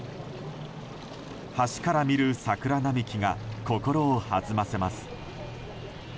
橋から見る桜並木が心を弾ませます。